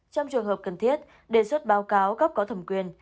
trong trường hợp cần thiết đề xuất báo cáo cấp có thẩm quyền